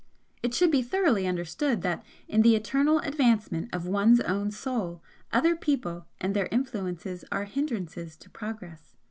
It should be thoroughly understood that in the eternal advancement of one's own Soul 'other people' and their influences are hindrances to progress.